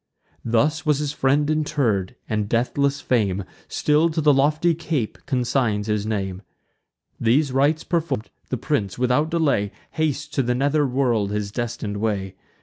Thus was his friend interr'd; and deathless fame Still to the lofty cape consigns his name. These rites perform'd, the prince, without delay, Hastes to the nether world his destin'd way.